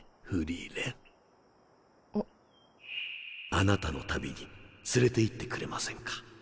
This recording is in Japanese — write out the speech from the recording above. あなたの旅に連れていってくれませんか？